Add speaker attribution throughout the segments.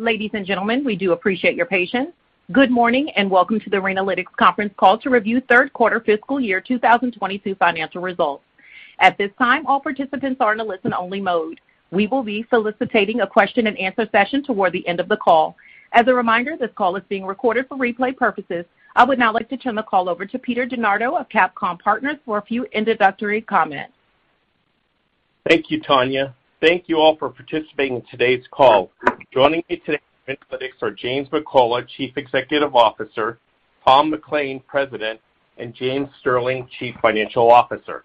Speaker 1: Ladies and gentlemen, we do appreciate your patience. Good morning, and welcome to the Renalytix conference call to review third quarter fiscal year 2022 financial results. At this time, all participants are in a listen-only mode. We will be soliciting a question-and-answer session toward the end of the call. As a reminder, this call is being recorded for replay purposes. I would now like to turn the call over to Peter DeNardo of CapComm Partners for a few introductory comments.
Speaker 2: Thank you, Tanya. Thank you all for participating in today's call. Joining me today from Renalytix are James McCullough, Chief Executive Officer, Thomas McLain, President, and O. James Sterling, Chief Financial Officer.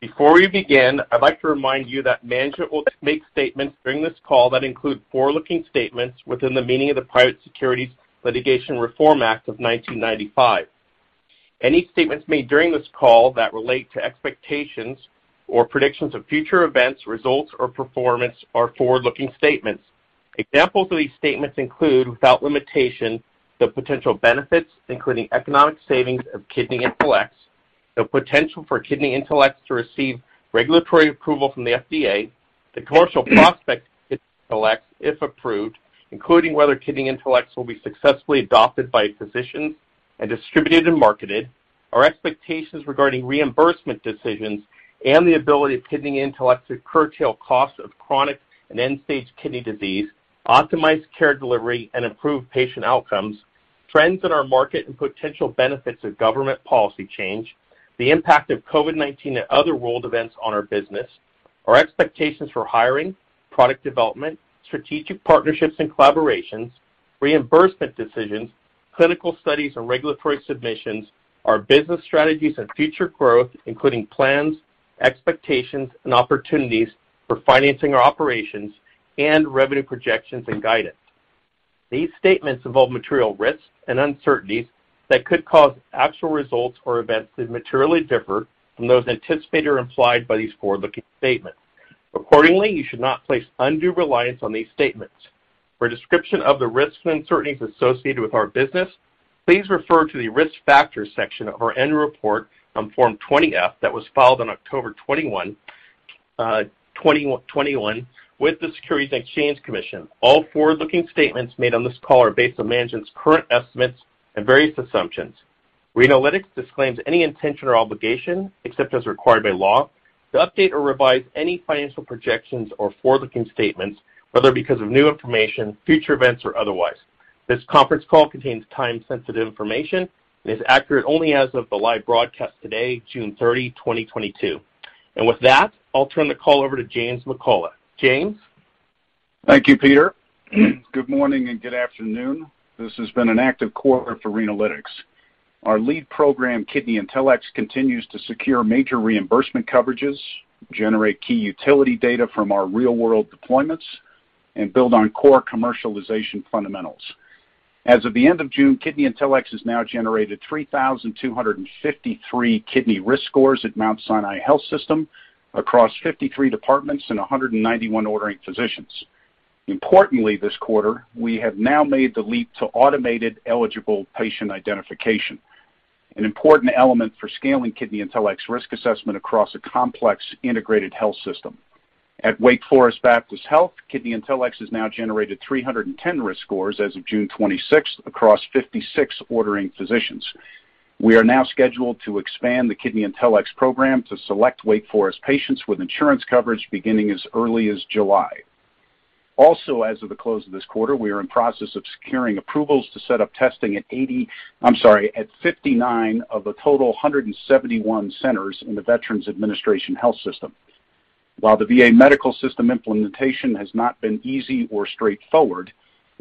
Speaker 2: Before we begin, I'd like to remind you that management will make statements during this call that include forward-looking statements within the meaning of the Private Securities Litigation Reform Act of 1995. Any statements made during this call that relate to expectations or predictions of future events, results, or performance are forward-looking statements. Examples of these statements include, without limitation, the potential benefits, including economic savings of KidneyIntelX, the potential for KidneyIntelX to receive regulatory approval from the FDA, the commercial prospects of KidneyIntelX if approved, including whether KidneyIntelX will be successfully adopted by physicians and distributed and marketed, our expectations regarding reimbursement decisions and the ability of KidneyIntelX to curtail costs of chronic and end-stage kidney disease, optimize care delivery and improve patient outcomes, trends in our market and potential benefits of government policy change, the impact of COVID-19 and other world events on our business, our expectations for hiring, product development, strategic partnerships and collaborations, reimbursement decisions, clinical studies and regulatory submissions, our business strategies and future growth, including plans, expectations and opportunities for financing our operations and revenue projections and guidance. These statements involve material risks and uncertainties that could cause actual results or events to materially differ from those anticipated or implied by these forward-looking statements. Accordingly, you should not place undue reliance on these statements. For a description of the risks and uncertainties associated with our business, please refer to the Risk Factors section of our annual report on Form 20-F that was filed on October 21, 2021 with the Securities and Exchange Commission. All forward-looking statements made on this call are based on management's current estimates and various assumptions. Renalytix disclaims any intention or obligation, except as required by law, to update or revise any financial projections or forward-looking statements, whether because of new information, future events or otherwise. This conference call contains time-sensitive information and is accurate only as of the live broadcast today, June 30, 2022. With that, I'll turn the call over to James McCullough. James.
Speaker 3: Thank you, Peter. Good morning and good afternoon. This has been an active quarter for Renalytix. Our lead program, KidneyIntelX, continues to secure major reimbursement coverages, generate key utility data from our real-world deployments, and build on core commercialization fundamentals. As of the end of June, KidneyIntelX has now generated 3,253 kidney risk scores at Mount Sinai Health System across 53 departments and 191 ordering physicians. Importantly, this quarter, we have now made the leap to automated eligible patient identification, an important element for scaling KidneyIntelX's risk assessment across a complex integrated health system. At Wake Forest Baptist Health, KidneyIntelX has now generated 310 risk scores as of June 26 across 56 ordering physicians. We are now scheduled to expand the KidneyIntelX program to select Wake Forest patients with insurance coverage beginning as early as July. As of the close of this quarter, we are in process of securing approvals to set up testing at 59 of a total 171 centers in the Veterans Health Administration. While the VA medical system implementation has not been easy or straightforward,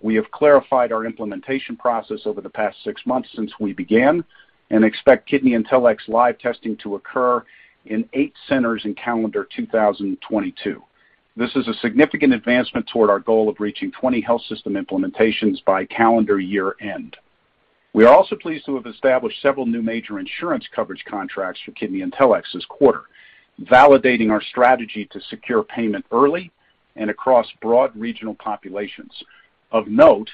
Speaker 3: we have clarified our implementation process over the past six months since we began and expect KidneyIntelX's live testing to occur in eight centers in calendar 2022. This is a significant advancement toward our goal of reaching 20 health system implementations by calendar year-end. We are also pleased to have established several new major insurance coverage contracts for KidneyIntelX this quarter, validating our strategy to secure payment early and across broad regional populations. Of note,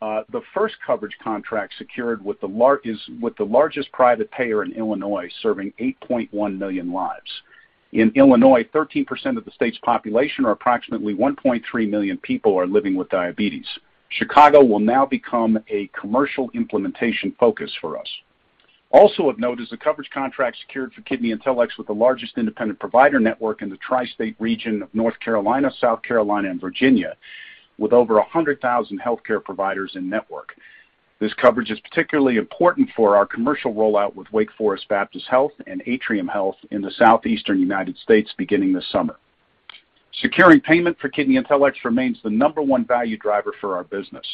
Speaker 3: the first coverage contract secured with the largest private payer in Illinois, serving 8.1 million lives. In Illinois, 13% of the state's population, or approximately 1.3 million people, are living with diabetes. Chicago will now become a commercial implementation focus for us. Also of note is the coverage contract secured for KidneyIntelX with the largest independent provider network in the tri-state region of North Carolina, South Carolina, and Virginia, with over 100,000 healthcare providers in-network. This coverage is particularly important for our commercial rollout with Wake Forest Baptist Health and Atrium Health in the Southeastern United States beginning this summer. Securing payment for KidneyIntelX remains the number one value driver for our business.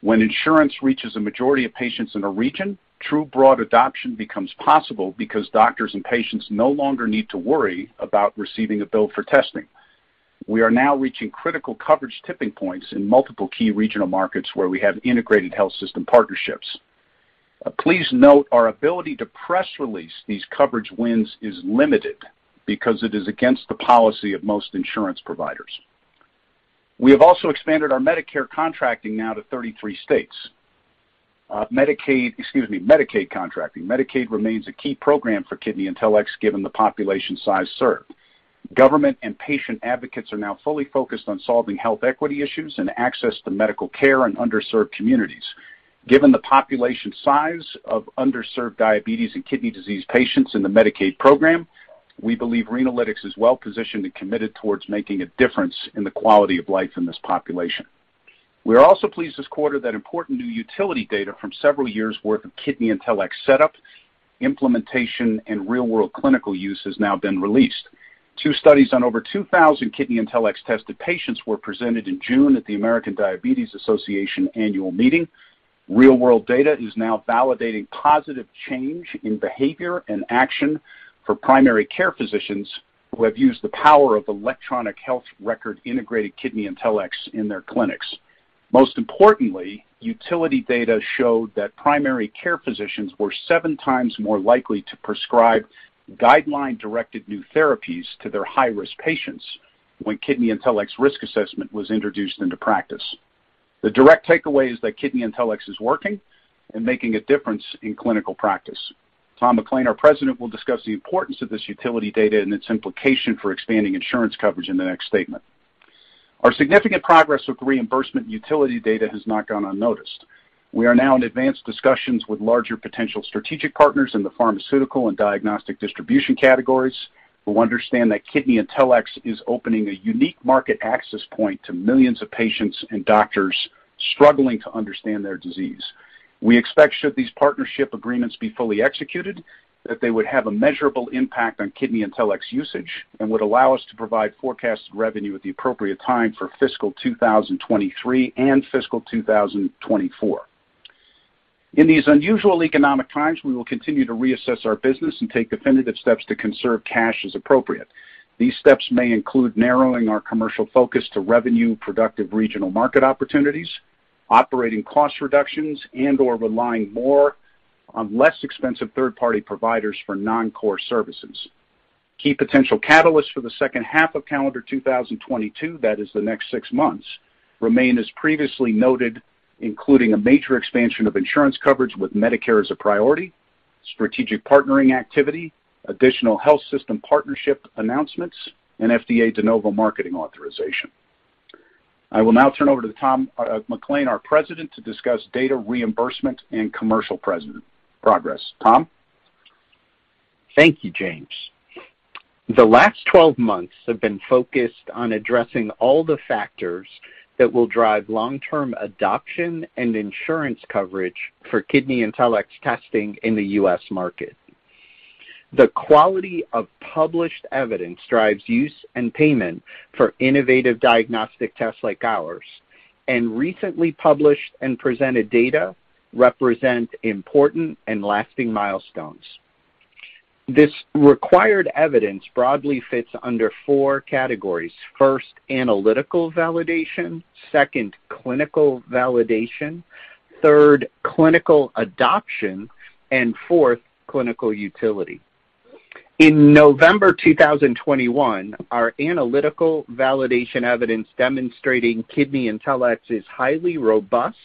Speaker 3: When insurance reaches a majority of patients in a region, true broad adoption becomes possible because doctors and patients no longer need to worry about receiving a bill for testing. We are now reaching critical coverage tipping points in multiple key regional markets where we have integrated health system partnerships. Please note our ability to press release these coverage wins is limited because it is against the policy of most insurance providers. We have also expanded our Medicaid contracting now to 33 states. Medicaid remains a key program for KidneyIntelX, given the population size served. Government and patient advocates are now fully focused on solving health equity issues and access to medical care in underserved communities. Given the population size of underserved diabetes and kidney disease patients in the Medicaid program, we believe Renalytix is well-positioned and committed toward making a difference in the quality of life in this population. We are also pleased this quarter that important new utility data from several years' worth of KidneyIntelX setup, implementation, and real-world clinical use has now been released. Two studies on over 2,000 KidneyIntelX-tested patients were presented in June at the American Diabetes Association annual meeting. Real-world data is now validating positive change in behavior and action for primary care physicians who have used the power of electronic health record-integrated KidneyIntelX in their clinics. Most importantly, utility data showed that primary care physicians were seven times more likely to prescribe guideline-directed new therapies to their high-risk patients when KidneyIntelX's risk assessment was introduced into practice. The direct takeaway is that KidneyIntelX is working and making a difference in clinical practice. Tom McLain, our president, will discuss the importance of this utility data and its implication for expanding insurance coverage in the next statement. Our significant progress with reimbursement utility data has not gone unnoticed. We are now in advanced discussions with larger potential strategic partners in the pharmaceutical and diagnostic distribution categories who understand that KidneyIntelX is opening a unique market access point to millions of patients and doctors struggling to understand their disease. We expect, should these partnership agreements be fully executed, that they would have a measurable impact on KidneyIntelX's usage and would allow us to provide forecasted revenue at the appropriate time for FY 2023 and FY 2024. In these unusual economic times, we will continue to reassess our business and take definitive steps to conserve cash as appropriate. These steps may include narrowing our commercial focus to revenue-productive regional market opportunities, operating cost reductions, and/or relying more on less expensive third-party providers for non-core services. Key potential catalysts for the second half of calendar 2022, that is the next six months, remain as previously noted, including a major expansion of insurance coverage with Medicare as a priority, strategic partnering activity, additional health system partnership announcements, and FDA De Novo marketing authorization. I will now turn over to Tom McLain, our President, to discuss data, reimbursement and commercial progress. Tom?
Speaker 4: Thank you, James. The last 12 months have been focused on addressing all the factors that will drive long-term adoption and insurance coverage for KidneyIntelX's testing in the U.S. market. The quality of published evidence drives use and payment for innovative diagnostic tests like ours, and recently published and presented data represent important and lasting milestones. This required evidence broadly fits under four categories. First, analytical validation, second, clinical validation, third, clinical adoption, and fourth, clinical utility. In November 2021, our analytical validation evidence demonstrating KidneyIntelX is highly robust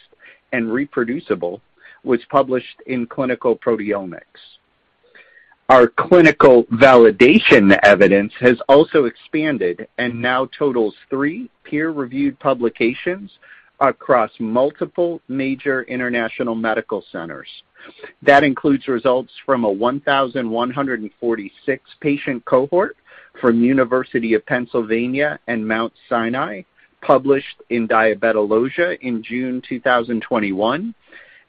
Speaker 4: and reproducible was published in Clinical Proteomics. Our clinical validation evidence has also expanded and now totals three peer-reviewed publications across multiple major international medical centers. That includes results from a 1,146 patient cohort from University of Pennsylvania and Mount Sinai, published in Diabetologia in June 2021,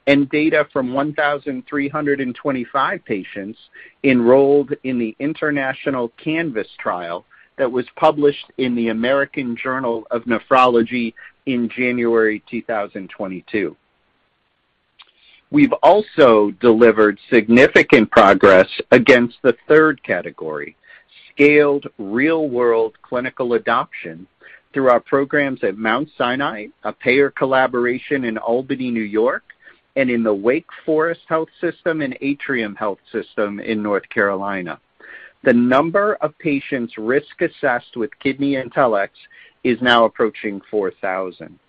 Speaker 4: and data from 1,325 patients enrolled in the international CANVAS trial that was published in the American Journal of Nephrology in January 2022. We've also delivered significant progress against the third category, scaled real-world clinical adoption, through our programs at Mount Sinai, a payer collaboration in Albany, New York, and in the Wake Forest Baptist Health and Atrium Health in North Carolina. The number of patients risk-assessed with KidneyIntelX is now approaching 4,000.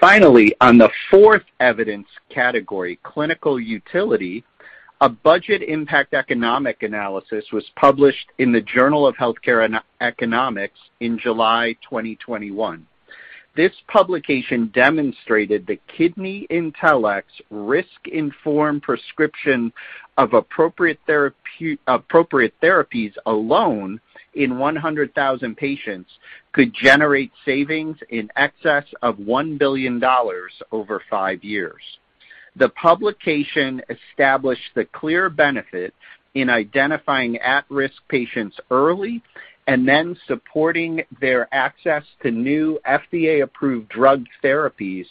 Speaker 4: Finally, on the fourth evidence category, clinical utility, a budget impact economic analysis was published in the Journal of Health Economics in July 2021. This publication demonstrated that KidneyIntelX's risk-informed prescription of appropriate therapies alone in 100,000 patients could generate savings in excess of $1 billion over five years. The publication established the clear benefit in identifying at-risk patients early and then supporting their access to new FDA-approved drug therapies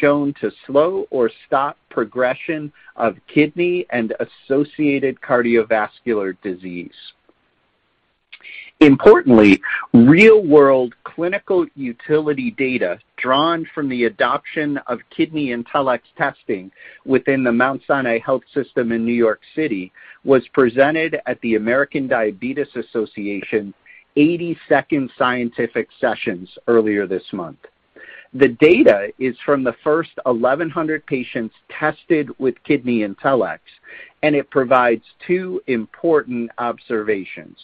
Speaker 4: shown to slow or stop progression of kidney and associated cardiovascular disease. Importantly, real-world clinical utility data drawn from the adoption of KidneyIntelX testing within the Mount Sinai Health System in New York City was presented at the American Diabetes Association 82nd Scientific Sessions earlier this month. The data is from the first 1,100 patients tested with KidneyIntelX, and it provides two important observations.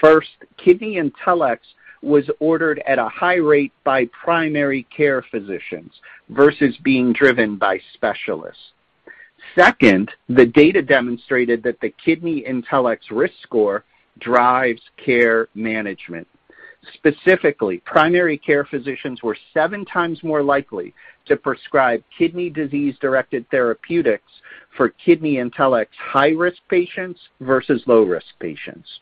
Speaker 4: First, KidneyIntelX was ordered at a high rate by primary care physicians versus being driven by specialists. Second, the data demonstrated that the KidneyIntelX risk score drives care management. Specifically, primary care physicians were seven times more likely to prescribe kidney disease-directed therapeutics for KidneyIntelX high-risk patients versus low-risk patients.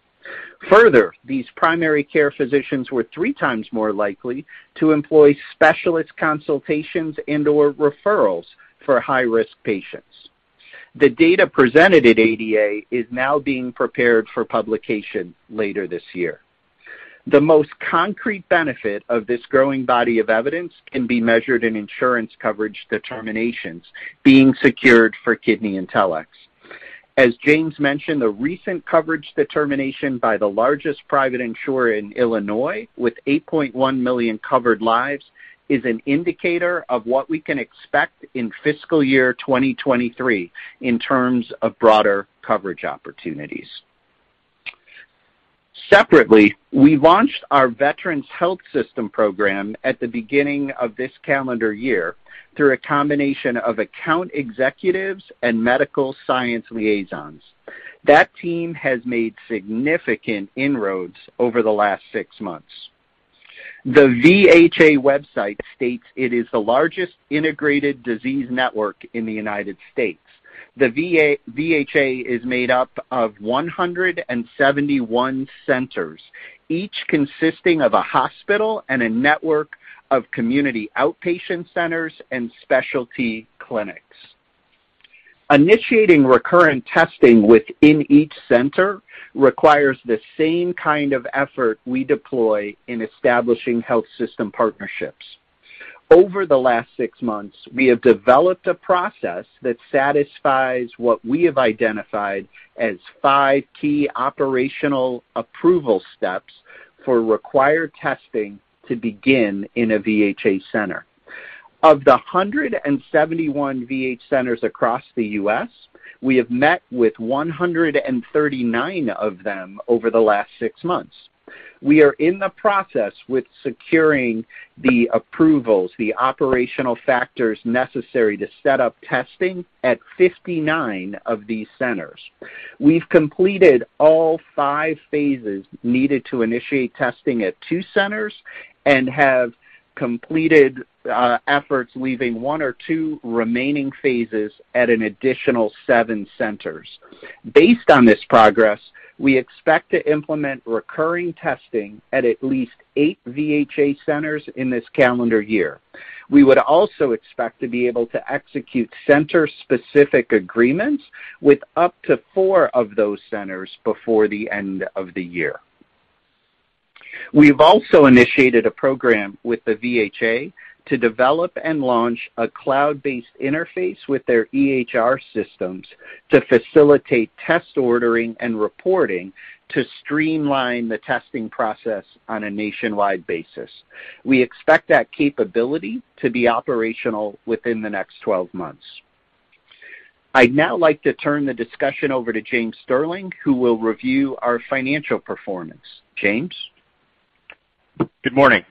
Speaker 4: Further, these primary care physicians were three times more likely to employ specialist consultations and/or referrals for high-risk patients. The data presented at ADA is now being prepared for publication later this year. The most concrete benefit of this growing body of evidence can be measured in insurance coverage determinations being secured for KidneyIntelX. As James mentioned, the recent coverage determination by the largest private insurer in Illinois with 8.1 million covered lives is an indicator of what we can expect in fiscal year 2023 in terms of broader coverage opportunities. Separately, we launched our Veterans Health Administration program at the beginning of this calendar year through a combination of account executives and medical science liaisons. That team has made significant inroads over the last six months. The VHA website states it is the largest integrated health care system in the United States. The VHA is made up of 171 centers, each consisting of a hospital and a network of community outpatient centers and specialty clinics. Initiating recurrent testing within each center requires the same kind of effort we deploy in establishing health system partnerships. Over the last six months, we have developed a process that satisfies what we have identified as five key operational approval steps for required testing to begin in a VHA center. Of the 171 VHA centers across the U.S., we have met with 139 of them over the last six months. We are in the process of securing the approvals, the operational factors necessary to set up testing at 59 of these centers. We've completed all five phases needed to initiate testing at two centers and have completed efforts leaving one or two remaining phases at an additional seven centers. Based on this progress, we expect to implement recurring testing at least eight VHA centers in this calendar year. We would also expect to be able to execute center-specific agreements with up to four of those centers before the end of the year. We've also initiated a program with the VHA to develop and launch a cloud-based interface with their EHR systems to facilitate test ordering and reporting to streamline the testing process on a nationwide basis. We expect that capability to be operational within the next 12 months. I'd now like to turn the discussion over to O. James Sterling, who will review our financial performance. James.
Speaker 5: Good morning.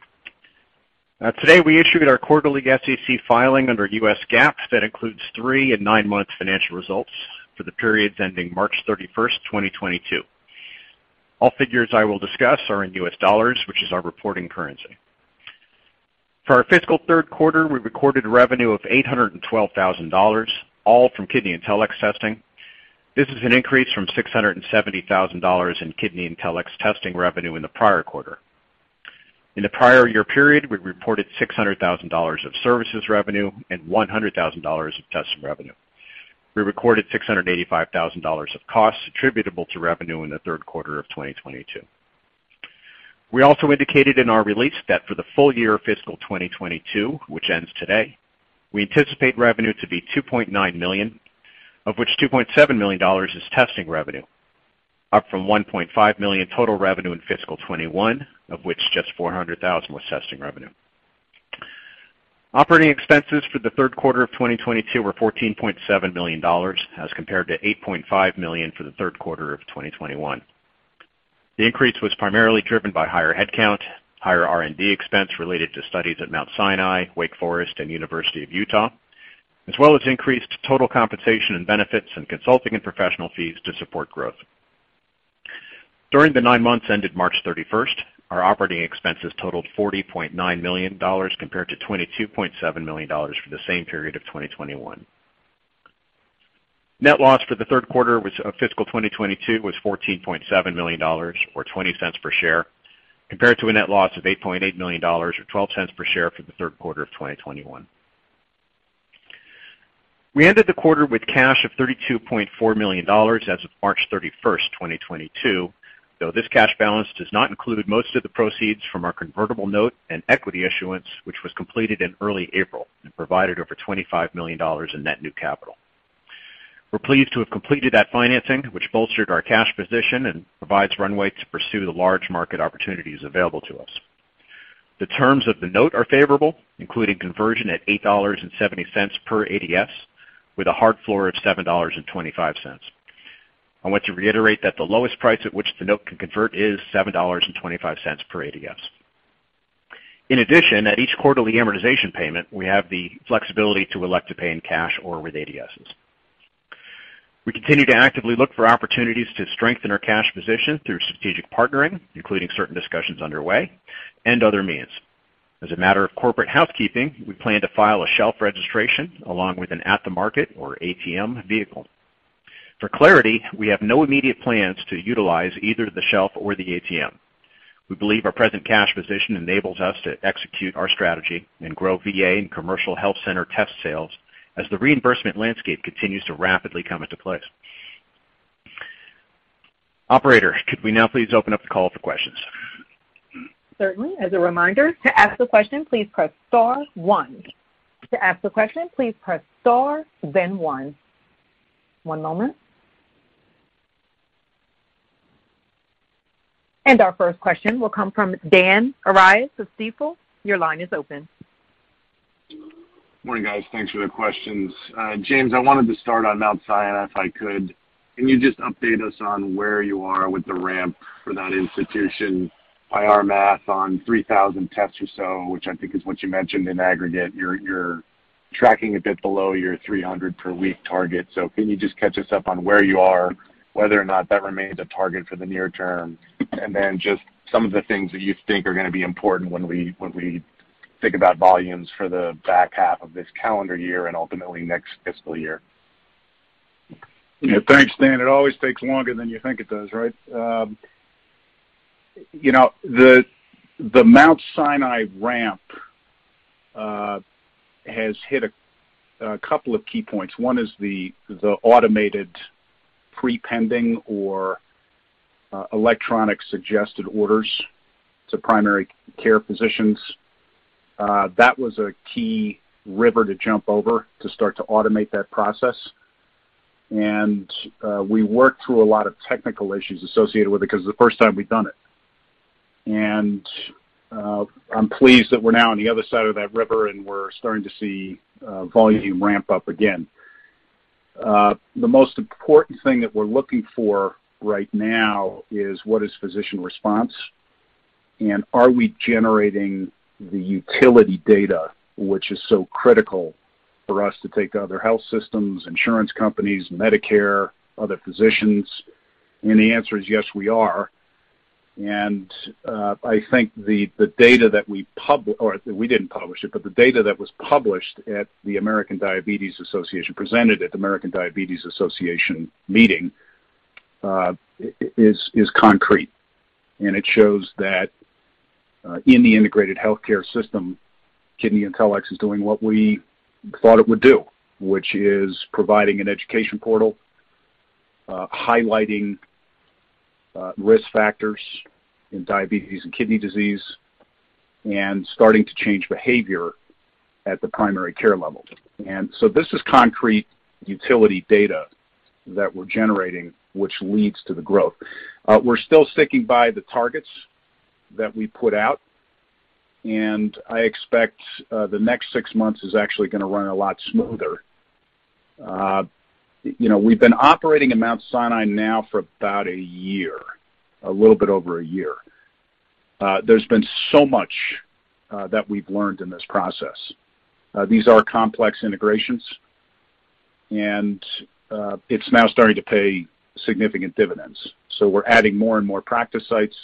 Speaker 5: Today, we issued our quarterly SEC filing under U.S. GAAP that includes three- and nine-month financial results for the periods ending March 31st, 2022. All figures I will discuss are in U.S. dollars, which is our reporting currency. For our fiscal third quarter, we recorded revenue of $812,000, all from KidneyIntelX testing. This is an increase from $670,000 in KidneyIntelX testing revenue in the prior quarter. In the prior year period, we reported $600,000 of services revenue and $100,000 of testing revenue. We recorded $685,000 of costs attributable to revenue in the third quarter of 2022. We also indicated in our release that for the full year fiscal 2022, which ends today, we anticipate revenue to be $2.9 million, of which $2.7 million is testing revenue, up from $1.5 million total revenue in fiscal 2021, of which just $400,000 was testing revenue. Operating expenses for the third quarter of 2022 were $14.7 million, as compared to $8.5 million for the third quarter of 2021. The increase was primarily driven by higher headcount, higher R&D expense related to studies at Mount Sinai, Wake Forest, and University of Utah, as well as increased total compensation and benefits and consulting and professional fees to support growth. During the nine months ended March 31st, our operating expenses totaled $40.9 million compared to $22.7 million for the same period of 2021. Net loss for the third quarter of fiscal 2022 was $14.7 million, or $0.20 per share, compared to a net loss of $8.8 million or $0.12 per share for the third quarter of 2021. We ended the quarter with cash of $32.4 million as of March 31st, 2022, though this cash balance does not include most of the proceeds from our convertible note and equity issuance, which was completed in early April and provided over $25 million in net new capital. We’re pleased to have completed that financing, which bolstered our cash position and provides runway to pursue the large market opportunities available to us. The terms of the note are favorable, including conversion at $8.70 per ADS, with a hard floor of $7.25. I want to reiterate that the lowest price at which the note can convert is $7.25 per ADS. In addition, at each quarterly amortization payment, we have the flexibility to elect to pay in cash or with ADSs. We continue to actively look for opportunities to strengthen our cash position through strategic partnering, including certain discussions underway and other means. As a matter of corporate housekeeping, we plan to file a shelf registration along with an at-the-market or ATM vehicle. For clarity, we have no immediate plans to utilize either the shelf or the ATM. We believe our present cash position enables us to execute our strategy and grow VA and commercial health center test sales as the reimbursement landscape continues to rapidly come into place. Operator, could we now please open up the call for questions?
Speaker 1: Certainly. As a reminder, to ask the question, please press star one. To ask the question, please press star then one. One moment. Our first question will come from Dan Arias of Stifel. Your line is open.
Speaker 6: Morning, guys. Thanks for the questions. James, I wanted to start on Mount Sinai, if I could. Can you just update us on where you are with the ramp for that institution by our math on 3,000 tests or so, which I think is what you mentioned in aggregate. You're tracking a bit below your 300 per week target. Can you just catch us up on where you are, whether or not that remains a target for the near term? Then just some of the things that you think are gonna be important when we think about volumes for the back half of this calendar year and ultimately next fiscal year.
Speaker 3: Yeah. Thanks, Dan. It always takes longer than you think it does, right? You know, the Mount Sinai ramp has hit a couple of key points. One is the automated prepending or electronic suggested orders to primary care physicians. That was a key river to jump over to start to automate that process. I'm pleased that we're now on the other side of that river, and we're starting to see volume ramp up again. The most important thing that we're looking for right now is what is physician response, and are we generating the utility data, which is so critical for us to take other health systems, insurance companies, Medicare, other physicians? The answer is yes, we are. I think the data that we didn't publish it, but the data that was presented at the American Diabetes Association meeting is concrete. It shows that in the integrated healthcare system, KidneyIntelX is doing what we thought it would do, which is providing an education portal, highlighting risk factors in diabetes and kidney disease and starting to change behavior at the primary care level. This is concrete utility data that we're generating, which leads to the growth. We're still sticking by the targets that we put out, and I expect the next six months is actually gonna run a lot smoother. You know, we've been operating in Mount Sinai now for about a year, a little bit over a year. There's been so much that we've learned in this process. These are complex integrations, and it's now starting to pay significant dividends. We're adding more and more practice sites.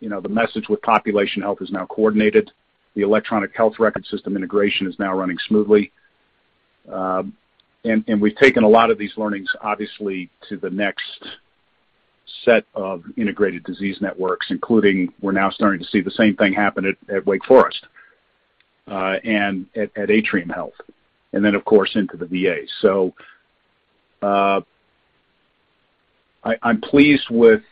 Speaker 3: You know, the message with population health is now coordinated. The electronic health record system integration is now running smoothly. We've taken a lot of these learnings, obviously, to the next set of integrated disease networks, including we're now starting to see the same thing happen at Wake Forest, and at Atrium Health and then, of course, into the VA. I'm pleased with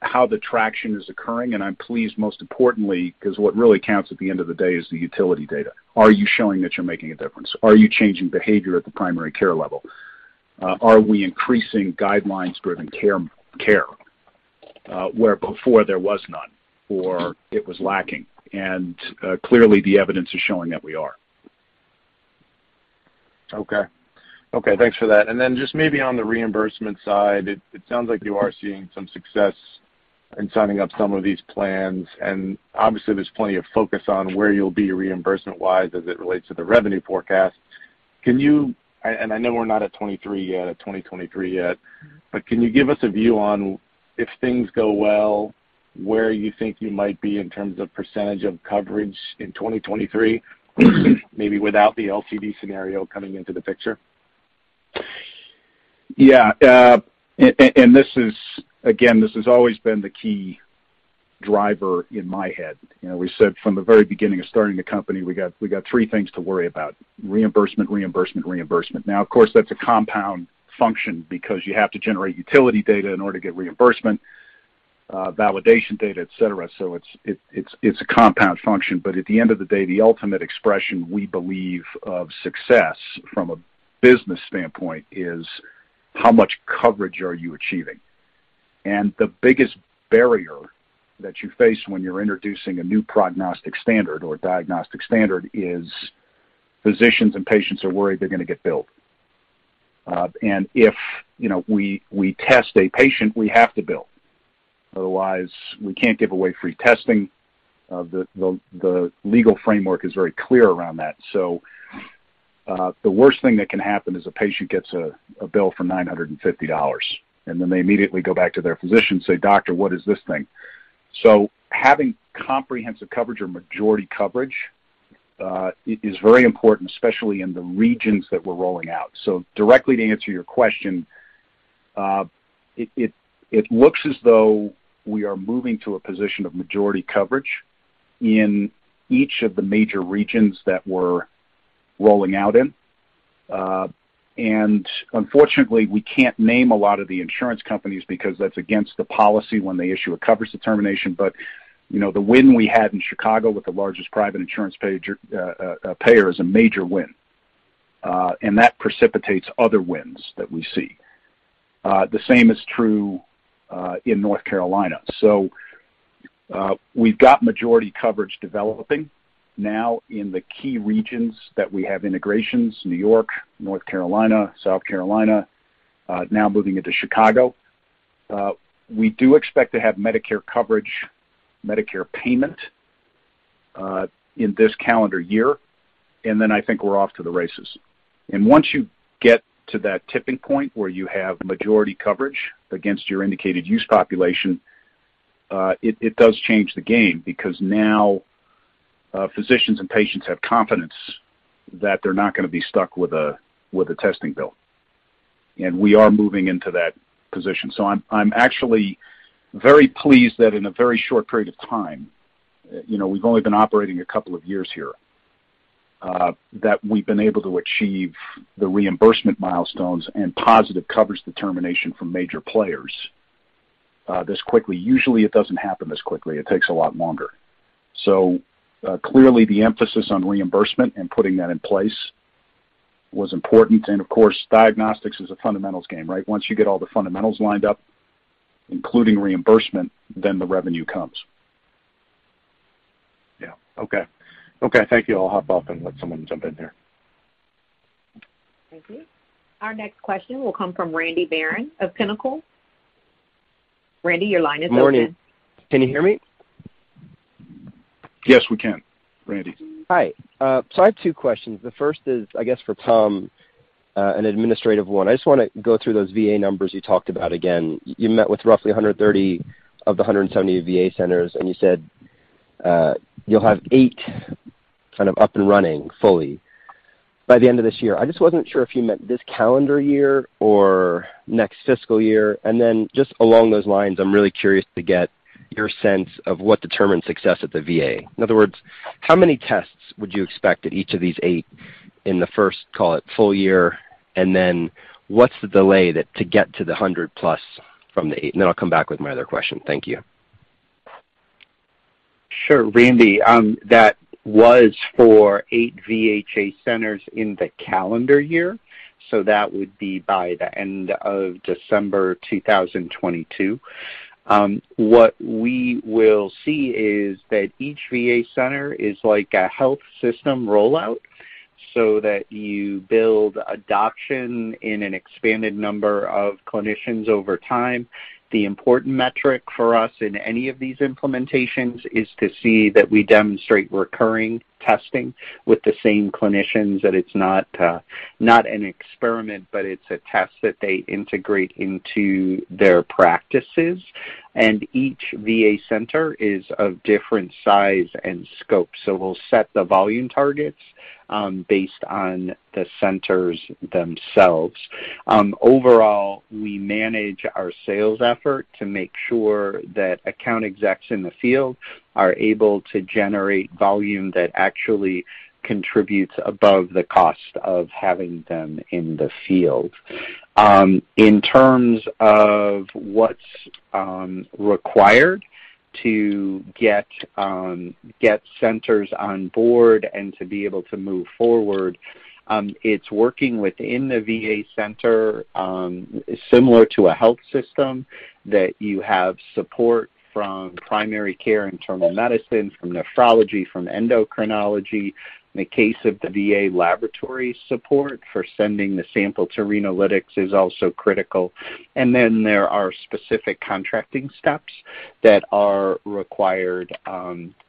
Speaker 3: how the traction is occurring, and I'm pleased most importantly, 'cause what really counts at the end of the day is the utility data. Are you showing that you're making a difference? Are you changing behavior at the primary care level? Are we increasing guidelines-driven care where before there was none or it was lacking? Clearly the evidence is showing that we are.
Speaker 6: Okay, thanks for that. Then just maybe on the reimbursement side, it sounds like you are seeing some success in signing up some of these plans. Obviously there's plenty of focus on where you'll be reimbursement-wise as it relates to the revenue forecast. I know we're not at 2023 yet, but can you give us a view on if things go well, where you think you might be in terms of percentage of coverage in 2023, maybe without the LCD scenario coming into the picture?
Speaker 3: Yeah, this is again, this has always been the key driver in my head. You know, we said from the very beginning of starting the company, we got three things to worry about, reimbursement, reimbursement. Now, of course, that's a compound function because you have to generate utility data in order to get reimbursement. Validation data, et cetera. So it's a compound function. But at the end of the day, the ultimate expression we believe of success from a business standpoint is how much coverage are you achieving? The biggest barrier that you face when you're introducing a new prognostic standard or diagnostic standard is physicians and patients are worried they're gonna get billed. If, you know, we test a patient, we have to bill. Otherwise, we can't give away free testing. The legal framework is very clear around that. The worst thing that can happen is a patient gets a bill for $950, and then they immediately go back to their physician and say, "Doctor, what is this thing?" Having comprehensive coverage or majority coverage is very important, especially in the regions that we're rolling out. Directly to answer your question, it looks as though we are moving to a position of majority coverage in each of the major regions that we're rolling out in. Unfortunately, we can't name a lot of the insurance companies because that's against the policy when they issue a coverage determination. You know, the win we had in Chicago with the largest private insurance payer is a major win, and that precipitates other wins that we see. The same is true in North Carolina. We've got majority coverage developing now in the key regions that we have integrations, New York, North Carolina, South Carolina, now moving into Chicago. We do expect to have Medicare coverage, Medicare payment in this calendar year, and then I think we're off to the races. Once you get to that tipping point where you have majority coverage against your indicated use population, it does change the game because now, physicians and patients have confidence that they're not gonna be stuck with a testing bill, and we are moving into that position. I'm actually very pleased that in a very short period of time, you know, we've only been operating a couple of years here, that we've been able to achieve the reimbursement milestones and positive coverage determination from major players, this quickly. Usually, it doesn't happen this quickly. It takes a lot longer. Clearly the emphasis on reimbursement and putting that in place was important. Of course, diagnostics is a fundamentals game, right? Once you get all the fundamentals lined up, including reimbursement, then the revenue comes.
Speaker 6: Yeah. Okay. Okay, thank you. I'll hop off and let someone jump in here.
Speaker 1: Thank you. Our next question will come from Randy Baron of Pinnacle. Randy, your line is open.
Speaker 7: Morning. Can you hear me?
Speaker 3: Yes, we can, Randy.
Speaker 7: Hi. So I have two questions. The first is, I guess, for Tom, an administrative one. I just wanna go through those VA numbers you talked about again. You met with roughly 130 of the 170 VA centers, and you said you'll have eight kind of up and running fully by the end of this year. I just wasn't sure if you meant this calendar year or next fiscal year. Then just along those lines, I'm really curious to get your sense of what determines success at the VA. In other words, how many tests would you expect at each of these eight in the first, call it, full year? Then what's the delay to get to the hundred plus from the eight? I'll come back with my other question. Thank you.
Speaker 4: Sure, Randy. That was for eight VHA centers in the calendar year, so that would be by the end of December 2022. What we will see is that each VA center is like a health system rollout, so that you build adoption in an expanded number of clinicians over time. The important metric for us in any of these implementations is to see that we demonstrate recurring testing with the same clinicians, that it's not an experiment, but it's a test that they integrate into their practices. Each VA center is of different size and scope, so we'll set the volume targets based on the centers themselves. Overall, we manage our sales effort to make sure that account execs in the field are able to generate volume that actually contributes above the cost of having them in the field. In terms of what's required to get centers on board and to be able to move forward, it's working within the VA center, similar to a health system that you have support from primary care, internal medicine, from nephrology, from endocrinology. In the case of the VA, laboratory support for sending the sample to Renalytix is also critical. There are specific contracting steps that are required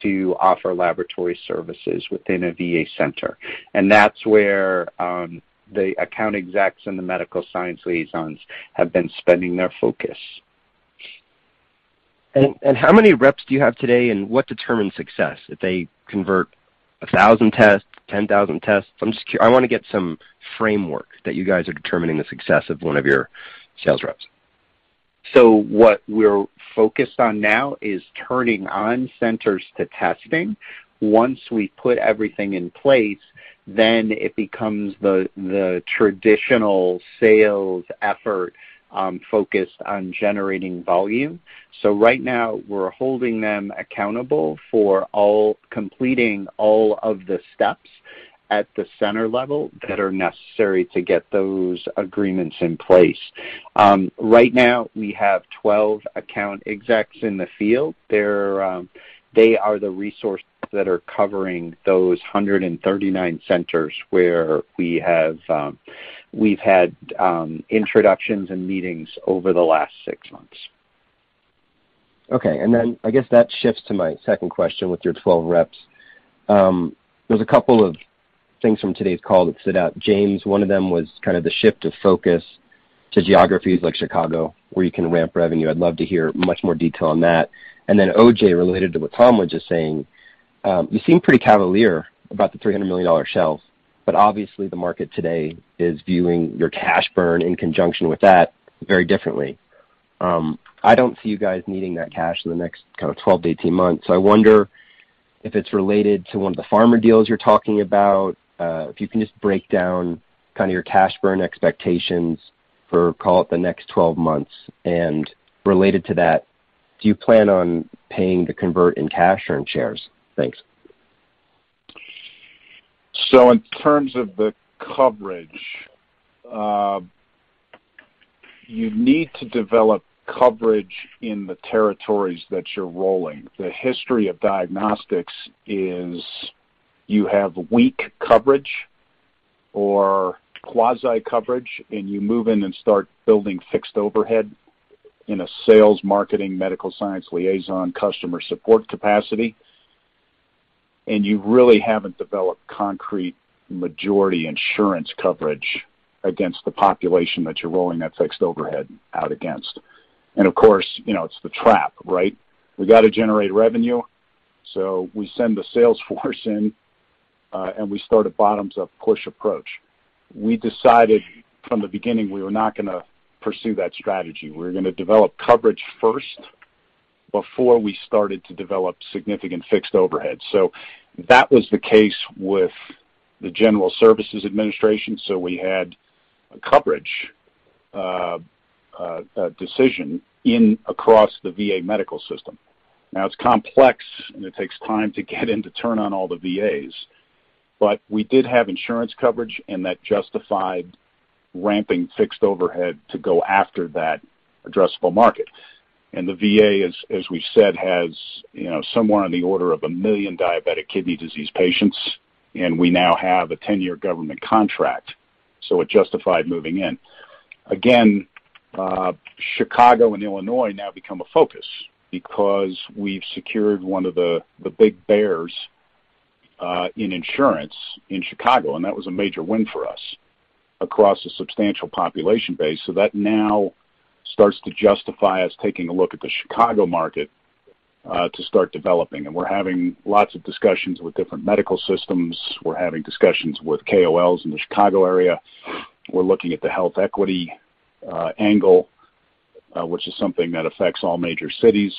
Speaker 4: to offer laboratory services within a VA center, and that's where the account execs and the medical science liaisons have been spending their focus.
Speaker 7: How many reps do you have today, and what determines success? If they convert 1,000 tests, 10,000 tests? I'm just, I wanna get some framework that you guys are determining the success of one of your sales reps.
Speaker 4: What we're focused on now is turning on centers to testing. Once we put everything in place then it becomes the traditional sales effort focused on generating volume. Right now, we're holding them accountable for completing all of the steps at the center level that are necessary to get those agreements in place. Right now, we have 12 account execs in the field. They are the resources that are covering those 139 centers where we've had introductions and meetings over the last six months.
Speaker 7: Okay. I guess that shifts to my second question with your 12 reps. There's a couple of things from today's call that stood out. James, one of them was kind of the shift of focus to geographies like Chicago where you can ramp revenue. I'd love to hear much more detail on that. O.J., related to what Tom was just saying, you seem pretty cavalier about the $300 million shelf, but obviously the market today is viewing your cash burn in conjunction with that very differently. I don't see you guys needing that cash in the next kind of 12 to 18 months. I wonder if it's related to one of the pharma deals you're talking about, if you can just break down kind of your cash burn expectations for, call it, the next 12 months. Related to that, do you plan on paying the convertible in cash or in shares? Thanks.
Speaker 3: In terms of the coverage, you need to develop coverage in the territories that you're rolling. The history of diagnostics is you have weak coverage or quasi-coverage, and you move in and start building fixed overhead in a sales, marketing, medical science liaison, customer support capacity. You really haven't developed concrete majority insurance coverage against the population that you're rolling that fixed overhead out against. Of course, you know, it's the trap, right? We got to generate revenue, so we send the sales force in, and we start a bottoms-up push approach. We decided from the beginning we were not gonna pursue that strategy. We were gonna develop coverage first before we started to develop significant fixed overhead. That was the case with the General Services Administration. We had a coverage decision across the VA medical system. It's complex, and it takes time to get into turn on all the VAs. We did have insurance coverage, and that justified ramping fixed overhead to go after that addressable market. The VA, as we said, has you know, somewhere in the order of 1 million diabetic kidney disease patients, and we now have a 10-year government contract, so it justified moving in. Again, Chicago and Illinois now become a focus because we've secured one of the big payers in insurance in Chicago, and that was a major win for us across a substantial population base. That now starts to justify us taking a look at the Chicago market to start developing. We're having lots of discussions with different medical systems. We're having discussions with KOLs in the Chicago area. We're looking at the health equity angle, which is something that affects all major cities.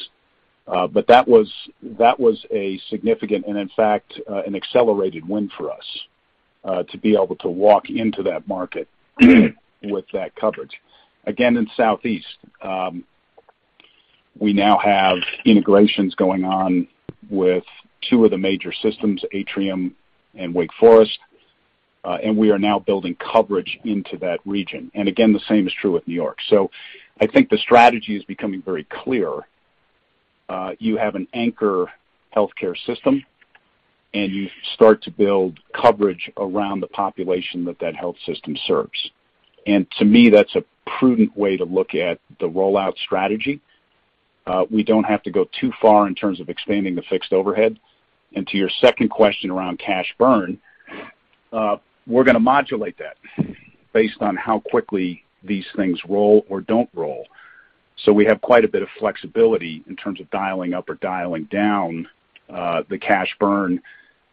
Speaker 3: That was a significant and in fact, an accelerated win for us, to be able to walk into that market with that coverage. Again, in Southeast, we now have integrations going on with two of the major systems, Atrium and Wake Forest, and we are now building coverage into that region. Again, the same is true with New York. I think the strategy is becoming very clear. You have an anchor healthcare system, and you start to build coverage around the population that that health system serves. To me, that's a prudent way to look at the rollout strategy. We don't have to go too far in terms of expanding the fixed overhead. To your second question around cash burn, we're gonna modulate that based on how quickly these things roll or don't roll. We have quite a bit of flexibility in terms of dialing up or dialing down the cash burn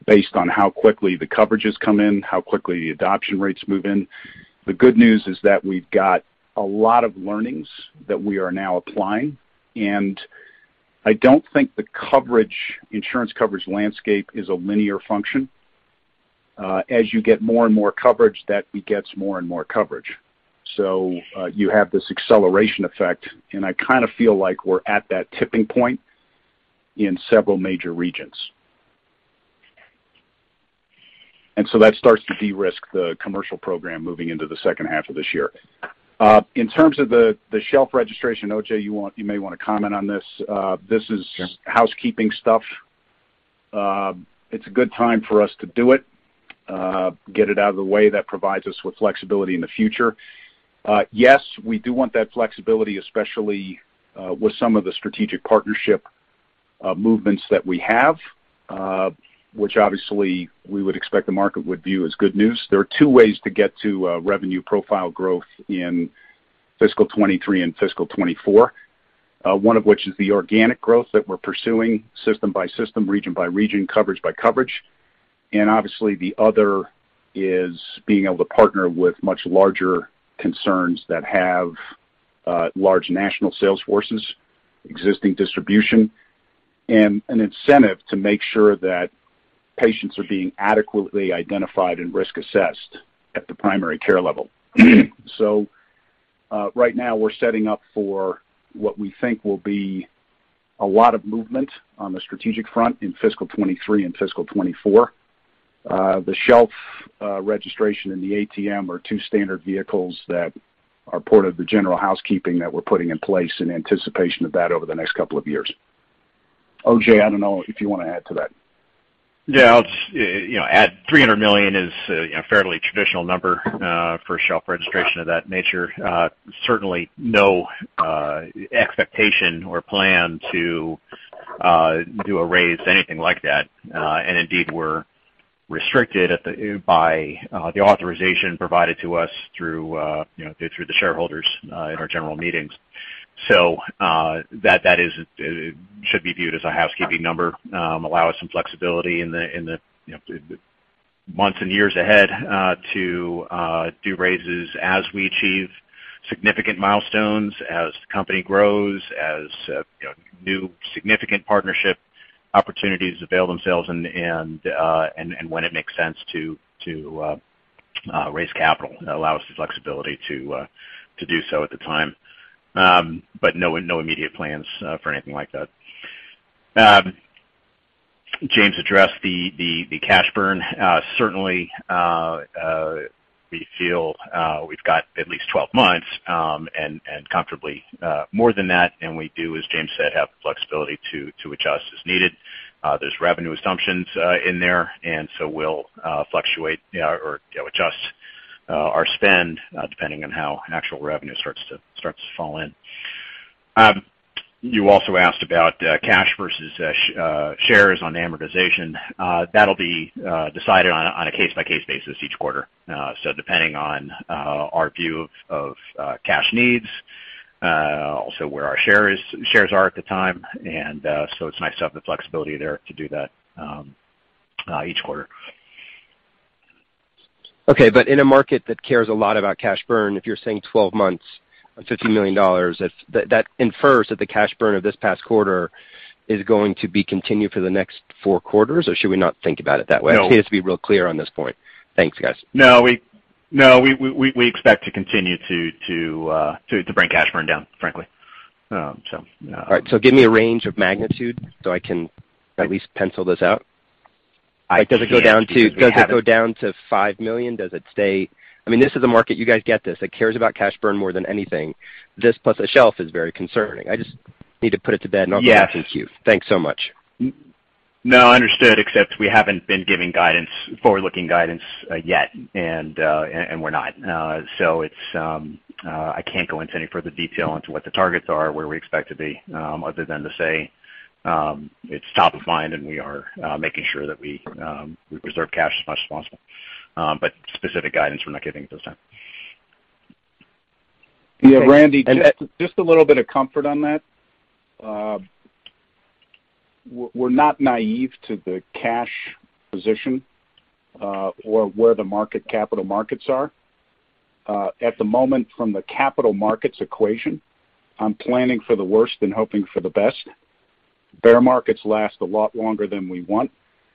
Speaker 3: based on how quickly the coverages come in, how quickly the adoption rates move in. The good news is that we've got a lot of learnings that we are now applying, and I don't think the insurance coverage landscape is a linear function. As you get more and more coverage, that begets more and more coverage. You have this acceleration effect, and I kinda feel like we're at that tipping point in several major regions. That starts to de-risk the commercial program moving into the second half of this year. In terms of the shelf registration, O.J., you may wanna comment on this.
Speaker 5: Sure.
Speaker 3: Housekeeping stuff. It's a good time for us to do it, get it out of the way. That provides us with flexibility in the future. Yes, we do want that flexibility, especially with some of the strategic partnership movements that we have, which obviously we would expect the market would view as good news. There are two ways to get to revenue profile growth in fiscal 2023 and fiscal 2024, one of which is the organic growth that we're pursuing system by system, region by region, coverage by coverage. Obviously the other is being able to partner with much larger concerns that have large national sales forces, existing distribution and an incentive to make sure that patients are being adequately identified and risk assessed at the primary care level. Right now we're setting up for what we think will be a lot of movement on the strategic front in fiscal 2023 and fiscal 2024. The shelf registration and the ATM are two standard vehicles that are part of the general housekeeping that we're putting in place in anticipation of that over the next couple of years. O.J., I don't know if you wanna add to that.
Speaker 5: Yeah. I'll just, you know, add $300 million is, you know, a fairly traditional number for a shelf registration of that nature. Certainly no expectation or plan to do a raise, anything like that. Indeed, we're restricted by the authorization provided to us through you know the shareholders in our general meetings. That is should be viewed as a housekeeping number allow us some flexibility in the you know months and years ahead to do raises as we achieve significant milestones, as the company grows, as you know new significant partnership opportunities avail themselves and when it makes sense to raise capital. Allow us the flexibility to do so at the time. No immediate plans for anything like that. James addressed the cash burn. Certainly, we feel we've got at least 12 months, and comfortably more than that, and we do, as James said, have the flexibility to adjust as needed. There's revenue assumptions in there, and so we'll fluctuate, you know, or adjust our spend depending on how actual revenue starts to fall in. You also asked about cash versus shares on amortization. That'll be decided on a case-by-case basis each quarter. Depending on our view of cash needs, also where our shares are at the time. It's nice to have the flexibility there to do that each quarter.
Speaker 7: Okay. In a market that cares a lot about cash burn, if you're saying 12 months on $50 million, that infers that the cash burn of this past quarter is going to be continued for the next four quarters, or should we not think about it that way?
Speaker 5: No.
Speaker 7: I just need us to be real clear on this point. Thanks, guys.
Speaker 5: No, we expect to continue to bring cash burn down, frankly. Yeah.
Speaker 7: All right. Give me a range of magnitude so I can at least pencil this out.
Speaker 5: I can't because we haven't.
Speaker 7: Does it go down to $5 million? Does it stay? I mean, this is the market, you guys get this, that cares about cash burn more than anything. This plus a shelf is very concerning. I just need to put it to bed and I'll go back in queue.
Speaker 5: Yes.
Speaker 7: Thanks so much.
Speaker 5: No, understood, except we haven't been giving guidance, forward-looking guidance, and we're not. I can't go into any further detail into what the targets are, where we expect to be, other than to say, it's top of mind and we are making sure that we preserve cash as much as possible. Specific guidance, we're not giving at this time.
Speaker 3: Yeah, Randy, a little bit of comfort on that. We're not naive to the cash position or where the market, capital markets are. At the moment from the capital markets equation, I'm planning for the worst and hoping for the best. Bear markets last a lot longer than we want.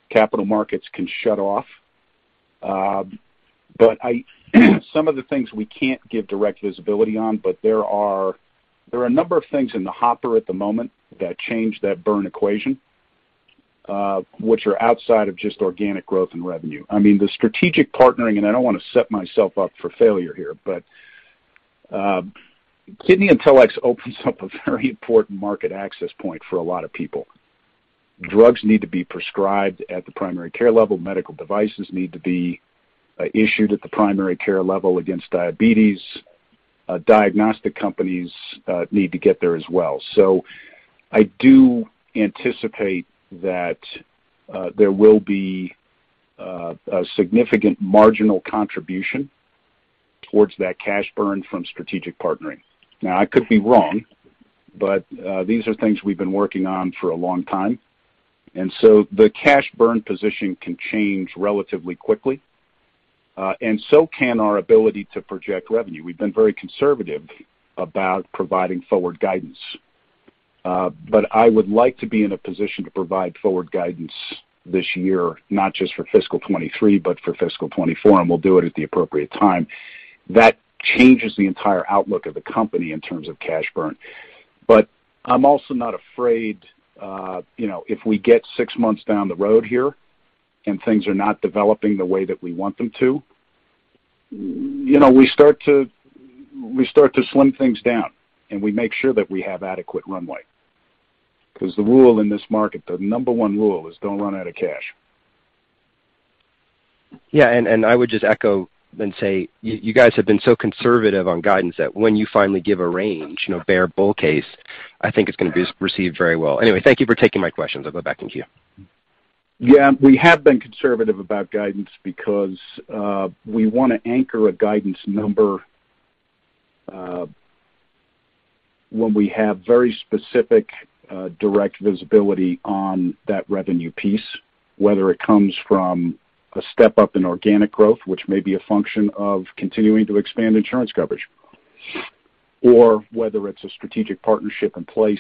Speaker 3: Capital markets can shut off. But some of the things we can't give direct visibility on, but there are a number of things in the hopper at the moment that change that burn equation, which are outside of just organic growth and revenue. I mean, the strategic partnering, and I don't wanna set myself up for failure here, but KidneyIntelX opens up a very important market access point for a lot of people. Drugs need to be prescribed at the primary care level. Medical devices need to be issued at the primary care level against diabetes. Diagnostic companies need to get there as well. I do anticipate that there will be a significant marginal contribution towards that cash burn from strategic partnering. Now, I could be wrong, but these are things we've been working on for a long time. The cash burn position can change relatively quickly, and so can our ability to project revenue. We've been very conservative about providing forward guidance. I would like to be in a position to provide forward guidance this year, not just for fiscal 2023, but for fiscal 2024, and we'll do it at the appropriate time. That changes the entire outlook of the company in terms of cash burn. I'm also not afraid, you know, if we get six months down the road here and things are not developing the way that we want them to, you know, we start to slim things down and we make sure that we have adequate runway. 'Cause the rule in this market, the number one rule is don't run out of cash.
Speaker 7: Yeah. I would just echo and say you guys have been so conservative on guidance that when you finally give a range, you know, bear-bull case, I think it's gonna be received very well. Anyway, thank you for taking my questions. I'll go back in queue.
Speaker 3: Yeah. We have been conservative about guidance because we wanna anchor a guidance number when we have very specific direct visibility on that revenue piece, whether it comes from a step-up in organic growth, which may be a function of continuing to expand insurance coverage or whether it's a strategic partnership in place,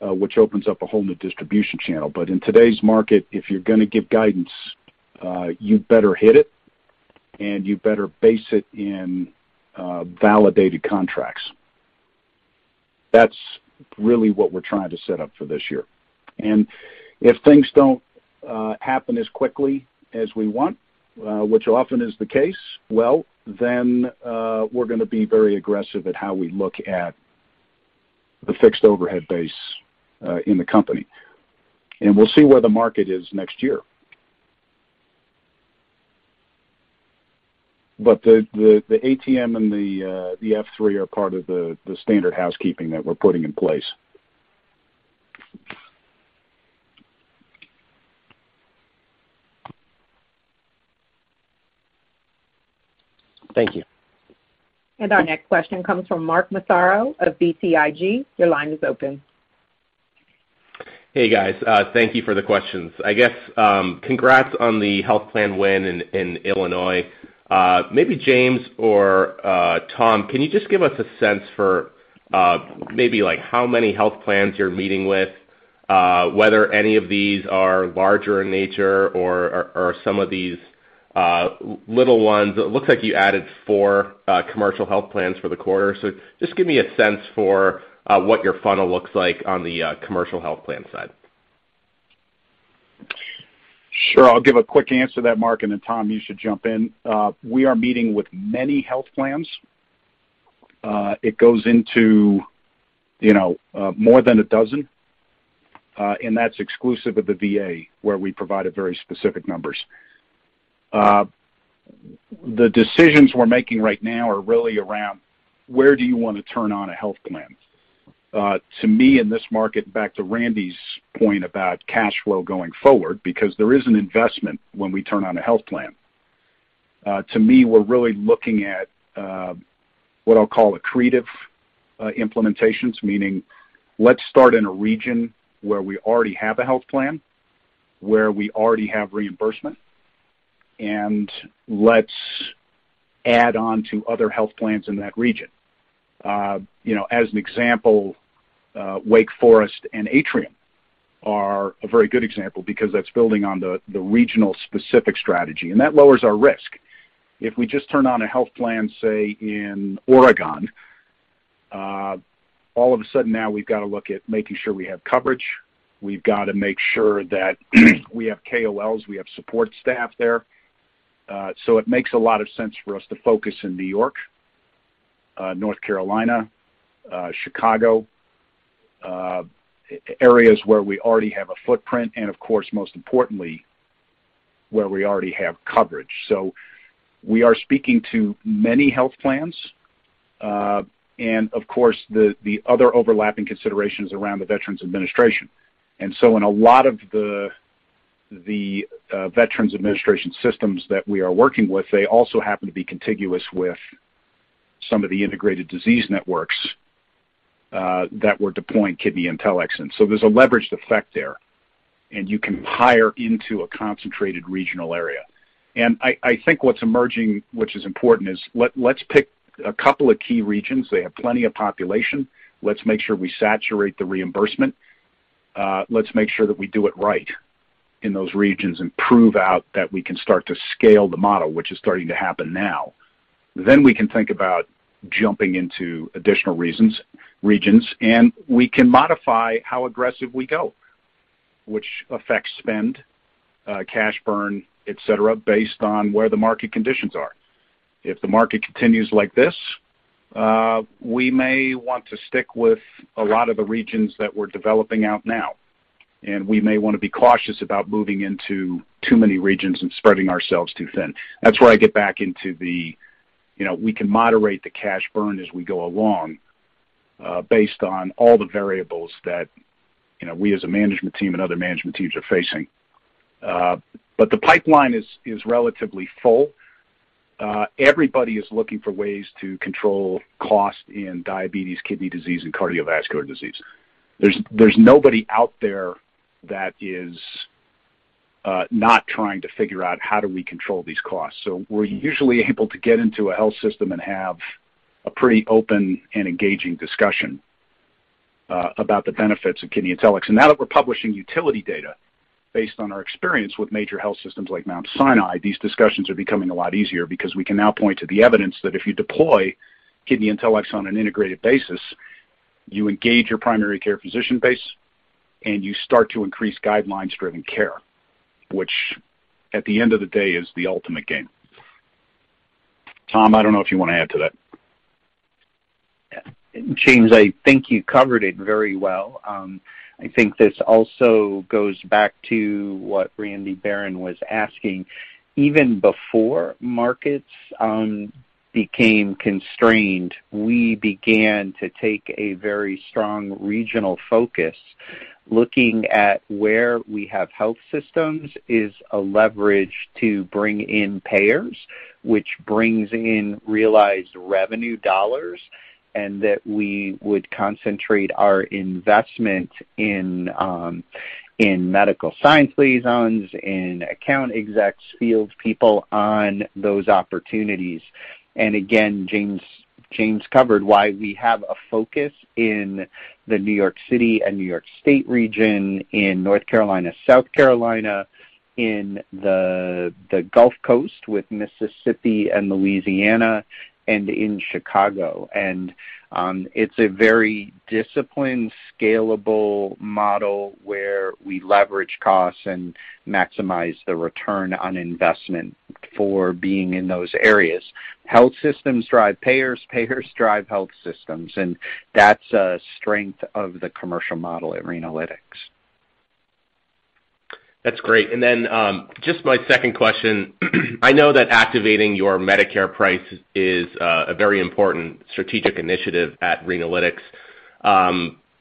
Speaker 3: which opens up a whole new distribution channel. But in today's market, if you're gonna give guidance, you better hit it, and you better base it in validated contracts. That's really what we're trying to set up for this year. If things don't happen as quickly as we want, which often is the case, well, then we're gonna be very aggressive at how we look at the fixed overhead base in the company. We'll see where the market is next year. The ATM and the F-3 are part of the standard housekeeping that we're putting in place.
Speaker 7: Thank you.
Speaker 1: Our next question comes from Mark Massaro of BTIG. Your line is open.
Speaker 8: Hey, guys. Thank you for the questions. I guess, congrats on the health plan win in Illinois. Maybe James or Tom, can you just give us a sense for maybe like how many health plans you're meeting with, whether any of these are larger in nature or are some of these little ones. It looks like you added four commercial health plans for the quarter. Just give me a sense for what your funnel looks like on the commercial health plan side.
Speaker 3: Sure. I'll give a quick answer to that, Mark, and then Tom, you should jump in. We are meeting with many health plans. It goes into, you know, more than a dozen, and that's exclusive of the VA, where we provided very specific numbers. The decisions we're making right now are really around where do you wanna turn on a health plan? To me, in this market, back to Randy's point about cash flow going forward, because there is an investment when we turn on a health plan. To me, we're really looking at what I'll call accretive implementations, meaning let's start in a region where we already have a health plan, where we already have reimbursement, and let's add on to other health plans in that region. You know, as an example, Wake Forest Baptist Health and Atrium Health are a very good example because that's building on the regional specific strategy, and that lowers our risk. If we just turn on a health plan, say, in Oregon, all of a sudden now we've got to look at making sure we have coverage. We've got to make sure that we have KOLs, we have support staff there. It makes a lot of sense for us to focus in New York, North Carolina, Chicago, areas where we already have a footprint and of course, most importantly, where we already have coverage. We are speaking to many health plans, and of course, the other overlapping considerations around the Veterans Health Administration. In a lot of the Veterans Health Administration systems that we are working with, they also happen to be contiguous with some of the integrated disease networks that we're deploying KidneyIntelX in. There's a leveraged effect there, and you can hire into a concentrated regional area. I think what's emerging, which is important, is let's pick a couple of key regions. They have plenty of population. Let's make sure we saturate the reimbursement. Let's make sure that we do it right in those regions and prove out that we can start to scale the model, which is starting to happen now. We can think about jumping into additional regions, and we can modify how aggressive we go, which affects spend, cash burn, etc., based on where the market conditions are. If the market continues like this, we may want to stick with a lot of the regions that we're developing out now, and we may wanna be cautious about moving into too many regions and spreading ourselves too thin. That's where I get back into the, you know, we can moderate the cash burn as we go along, based on all the variables that, you know, we as a management team and other management teams are facing. The pipeline is relatively full. Everybody is looking for ways to control cost in diabetes, kidney disease, and cardiovascular disease. There's nobody out there that is not trying to figure out how do we control these costs. We're usually able to get into a health system and have a pretty open and engaging discussion about the benefits of KidneyIntelX. Now that we're publishing utility data based on our experience with major health systems like Mount Sinai, these discussions are becoming a lot easier because we can now point to the evidence that if you deploy KidneyIntelX on an integrated basis, you engage your primary care physician base, and you start to increase guidelines-driven care, which at the end of the day, is the ultimate game. Tom, I don't know if you wanna add to that.
Speaker 4: James, I think you covered it very well. I think this also goes back to what Randy Baron was asking. Even before markets became constrained, we began to take a very strong regional focus. Looking at where we have health systems is a leverage to bring in payers, which brings in realized revenue dollars, and that we would concentrate our investment in in medical science liaisons, in account execs, field people on those opportunities. James covered why we have a focus in the New York City and New York State region, in North Carolina, South Carolina, in the Gulf Coast with Mississippi and Louisiana, and in Chicago. It's a very disciplined, scalable model where we leverage costs and maximize the return on investment for being in those areas. Health systems drive payers drive health systems, and that's a strength of the commercial model at Renalytix.
Speaker 8: That's great. Just my second question. I know that activating your Medicare price is a very important strategic initiative at Renalytix.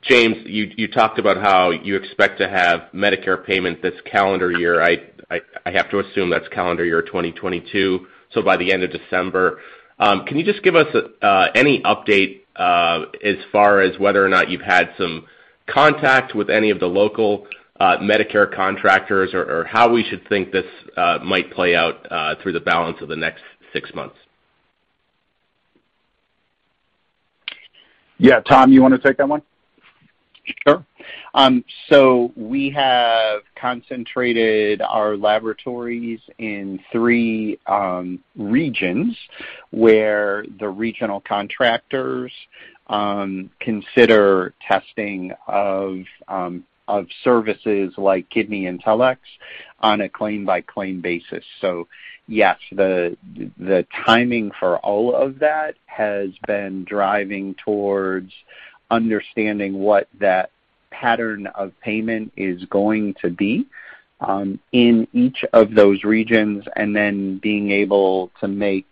Speaker 8: James, you talked about how you expect to have Medicare payment this calendar year. I have to assume that's calendar year 2022, so by the end of December. Can you just give us any update as far as whether or not you've had some contact with any of the local Medicare contractors or how we should think this might play out through the balance of the next six months?
Speaker 3: Yeah. Tom, you wanna take that one?
Speaker 4: Sure. We have concentrated our laboratories in three regions where the regional contractors consider testing of services like KidneyIntelX on a claim-by-claim basis. Yes, the timing for all of that has been driving towards understanding what that pattern of payment is going to be in each of those regions and then being able to make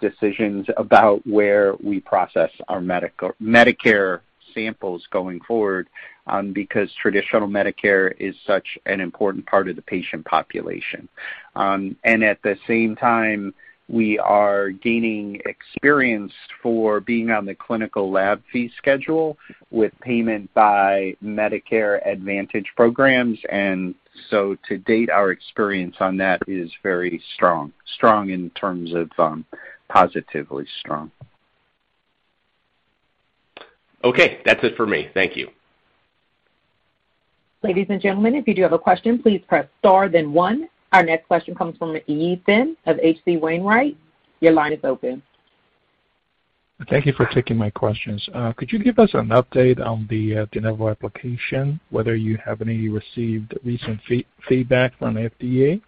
Speaker 4: decisions about where we process our Medicare samples going forward, because traditional Medicare is such an important part of the patient population. At the same time, we are gaining experience for being on the Clinical Laboratory Fee Schedule with payment by Medicare Advantage programs. To date, our experience on that is very strong. Strong in terms of positively strong.
Speaker 8: Okay. That's it for me. Thank you.
Speaker 1: Ladies and gentlemen, if you do have a question, please press star then one. Our next question comes from Yi Chen of H.C. Wainwright. Your line is open.
Speaker 9: Thank you for taking my questions. Could you give us an update on the De Novo application, whether you have received any recent feedback from FDA,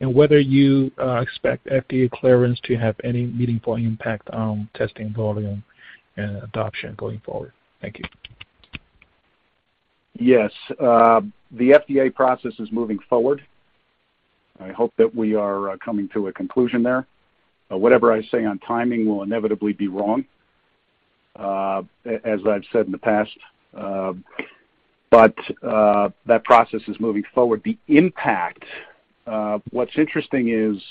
Speaker 9: and whether you expect FDA clearance to have any meaningful impact on testing volume and adoption going forward? Thank you.
Speaker 3: Yes. The FDA process is moving forward. I hope that we are coming to a conclusion there. Whatever I say on timing will inevitably be wrong, as I've said in the past. That process is moving forward. The impact, what's interesting is,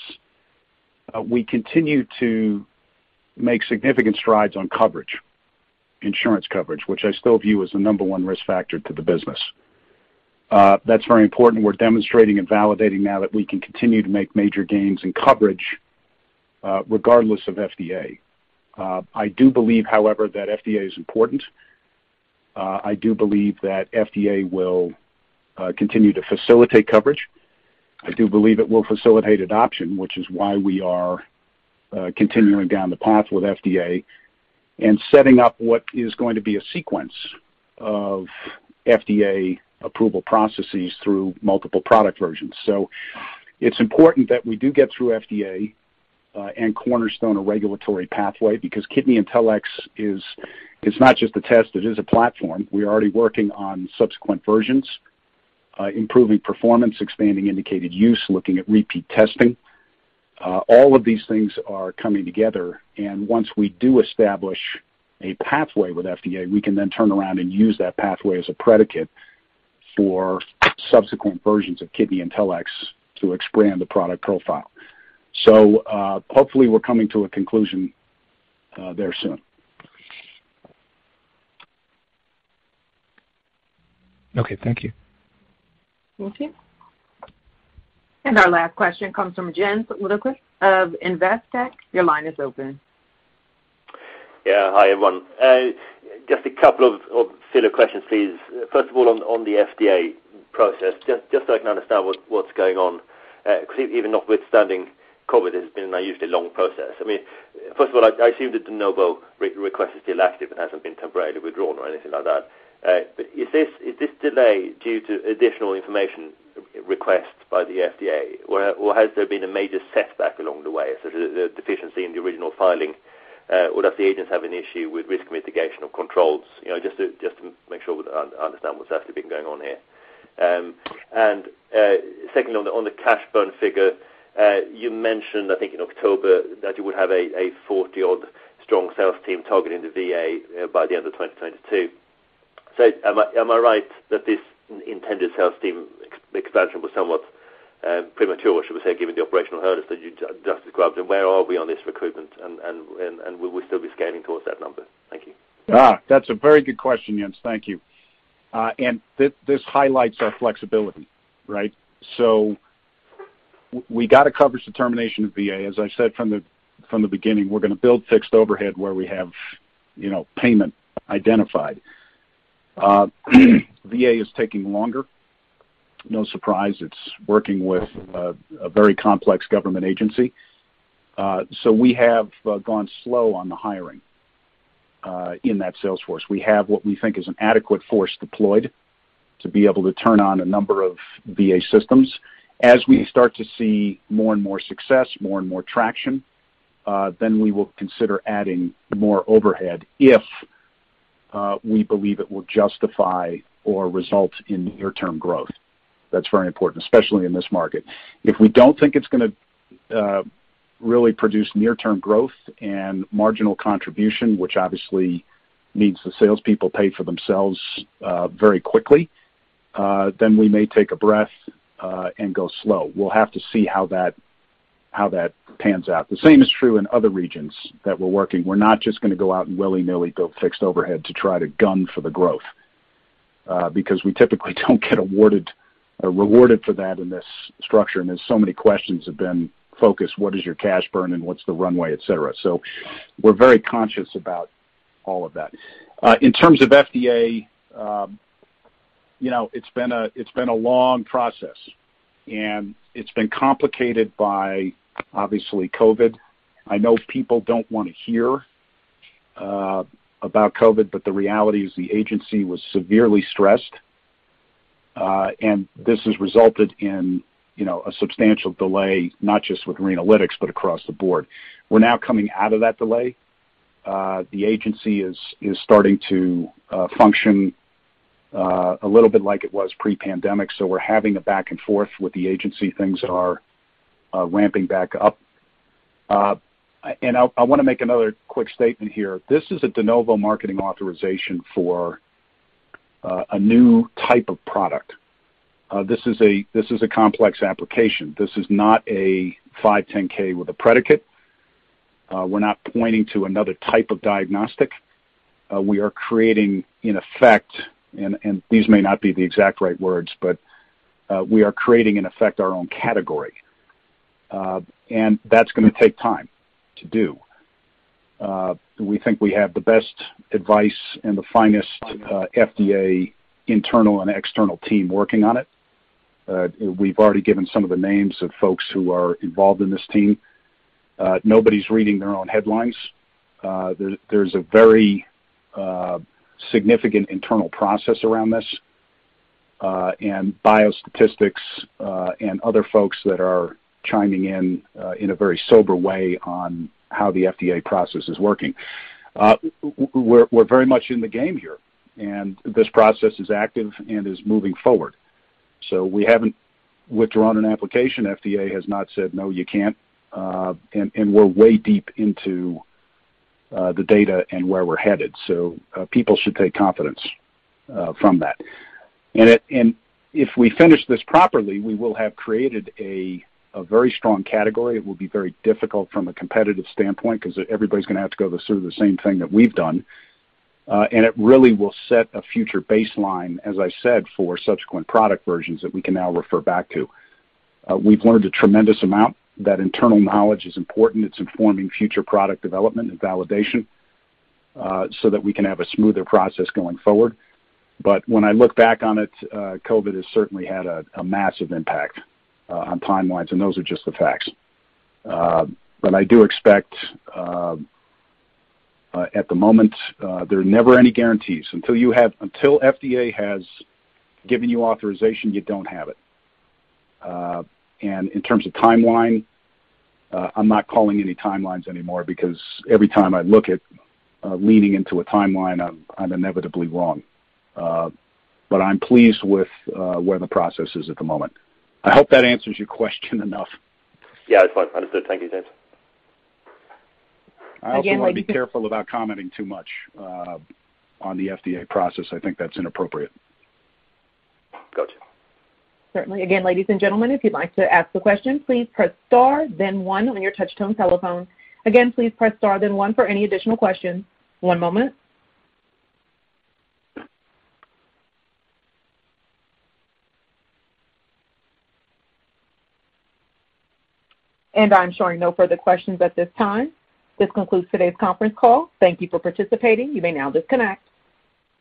Speaker 3: we continue to make significant strides on coverage, insurance coverage, which I still view as the number one risk factor to the business. That's very important. We're demonstrating and validating now that we can continue to make major gains in coverage, regardless of FDA. I do believe, however, that FDA is important. I do believe that FDA will continue to facilitate coverage. I do believe it will facilitate adoption, which is why we are continuing down the path with FDA and setting up what is going to be a sequence of FDA approval processes through multiple product versions. It's important that we do get through FDA and cornerstone a regulatory pathway because KidneyIntelX is, it's not just a test, it is a platform. We're already working on subsequent versions, improving performance, expanding indicated use, looking at repeat testing. All of these things are coming together and once we do establish a pathway with FDA, we can then turn around and use that pathway as a predicate for subsequent versions of KidneyIntelX to expand the product profile. Hopefully we're coming to a conclusion there soon.
Speaker 9: Okay, thank you.
Speaker 1: Thank you. Our last question comes from Jens Lindqvist of Investec. Your line is open.
Speaker 10: Yeah. Hi, everyone. Just a couple of filler questions, please. First of all, on the FDA process, just so I can understand what's going on. 'Cause even notwithstanding COVID, it's been an unusually long process. I mean, first of all, I assume that de novo re-request is still active and hasn't been temporarily withdrawn or anything like that. But is this delay due to additional information requests by the FDA, or has there been a major setback along the way, such as a deficiency in the original filing? Or does the agency have an issue with risk mitigation or controls? You know, just to make sure we understand what's actually been going on here. Secondly, on the cash burn figure, you mentioned, I think in October that you would have a 40-odd strong sales team targeting the VA by the end of 2022. Am I right that this intended sales team expansion was somewhat premature, should we say, given the operational hurdles that you just described, and where are we on this recruitment and will we still be scaling towards that number? Thank you.
Speaker 3: That's a very good question, Jens. Thank you. And this highlights our flexibility, right? We got to cover some penetration of VA. As I said from the beginning, we're gonna build fixed overhead where we have, you know, payment identified. VA is taking longer. No surprise. It's working with a very complex government agency. We have gone slow on the hiring in that sales force. We have what we think is an adequate force deployed to be able to turn on a number of VA systems. As we start to see more and more success, more and more traction, then we will consider adding more overhead if we believe it will justify or result in near-term growth. That's very important, especially in this market. If we don't think it's gonna really produce near-term growth and marginal contribution, which obviously means the salespeople pay for themselves very quickly, then we may take a breath and go slow. We'll have to see how that pans out. The same is true in other regions that we're working. We're not just gonna go out and willy-nilly build fixed overhead to try to gun for the growth, because we typically don't get awarded or rewarded for that in this structure, and there's so many questions have been focused, what is your cash burn and what's the runway, et cetera. So we're very conscious about all of that. In terms of FDA, you know, it's been a long process, and it's been complicated by obviously COVID. I know people don't wanna hear about COVID, but the reality is the agency was severely stressed, and this has resulted in, you know, a substantial delay, not just with Renalytix, but across the board. We're now coming out of that delay. The agency is starting to function a little bit like it was pre-pandemic, so we're having a back and forth with the agency. Things are ramping back up. I wanna make another quick statement here. This is a De Novo marketing authorization for a new type of product. This is a complex application. This is not a 510(k) with a predicate. We're not pointing to another type of diagnostic. We are creating in effect, and these may not be the exact right words, but, we are creating in effect our own category, and that's gonna take time to do. We think we have the best advice and the finest FDA internal and external team working on it. We've already given some of the names of folks who are involved in this team. Nobody's reading their own headlines. There's a very significant internal process around this, and biostatistics, and other folks that are chiming in a very sober way on how the FDA process is working. We're very much in the game here, and this process is active and is moving forward. We haven't withdrawn an application. FDA has not said, "No, you can't." We're way deep into the data and where we're headed. People should take confidence from that. If we finish this properly, we will have created a very strong category. It will be very difficult from a competitive standpoint because everybody's gonna have to go through the same thing that we've done. It really will set a future baseline, as I said, for subsequent product versions that we can now refer back to. We've learned a tremendous amount. That internal knowledge is important. It's informing future product development and validation so that we can have a smoother process going forward. When I look back on it, COVID has certainly had a massive impact on timelines, and those are just the facts. I do expect, at the moment, there are never any guarantees. Until FDA has given you authorization, you don't have it. In terms of timeline, I'm not calling any timelines anymore because every time I look at leaning into a timeline, I'm inevitably wrong. I'm pleased with where the process is at the moment. I hope that answers your question enough.
Speaker 10: Yeah, it's fine. Understood. Thank you, James.
Speaker 3: I also wanna be careful about commenting too much on the FDA process. I think that's inappropriate.
Speaker 10: Gotcha.
Speaker 1: Certainly. Again, ladies and gentlemen, if you'd like to ask a question, please press star then one on your touchtone telephone. Again, please press star then one for any additional questions. One moment. I'm showing no further questions at this time. This concludes today's conference call. Thank you for participating. You may now disconnect.